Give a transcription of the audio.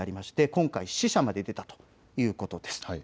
今回は死者まで出たということです。